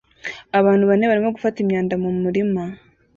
Abantu bane barimo gufata imyanda mu murima